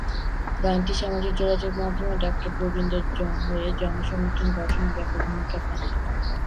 গানটি সামাজিক যোগাযোগ মাধ্যমে ডাক্তার গোবিন্দের হয়ে জনসমর্থন গঠনে ব্যাপক ভূমিকা রাখে।